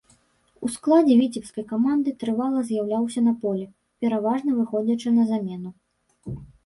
У складзе віцебскай каманды трывала з'яўляўся на полі, пераважна выходзячы на замену.